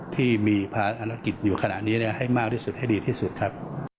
ที่มีภารกิจอยู่ขณะนี้ให้มากที่สุดให้ดีที่สุดครับ